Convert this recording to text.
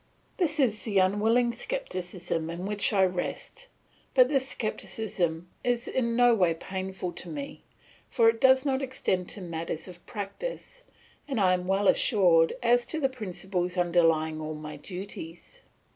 "This is the unwilling scepticism in which I rest; but this scepticism is in no way painful to me, for it does not extend to matters of practice, and I am well assured as to the principles underlying all my duties.